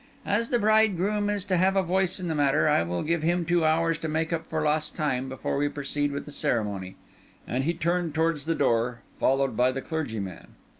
As the bridegroom is to have a voice in the matter, I will give him two hours to make up for lost time before we proceed with the ceremony." And he turned towards the door, followed by the clergyman.